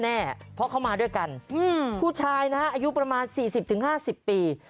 แน่เพราะเขามาด้วยกันอืมผู้ชายนะฮะอายุประมาณสี่สิบถึงห้าสิบปี